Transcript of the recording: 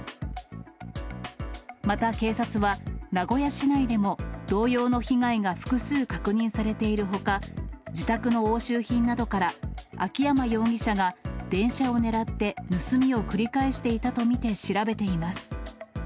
また警察は、名古屋市内でも同様の被害が複数確認されているほか、自宅の押収品などから、秋山容疑者が電車を狙って盗みを繰り返していたと見て調べています。